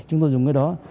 chúng tôi dùng cái đó